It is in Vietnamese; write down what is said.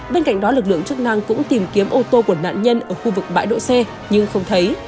bên cạnh đó lực lượng chức năng cũng tìm kiếm ô tô của nạn nhân ở khu vực bãi đỗ xe nhưng không thấy